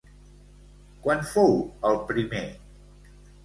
Quan fou el primer?